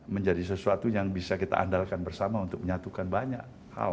menjadi sesuatu yang bisa kita andalkan bersama untuk menyatukan banyak hal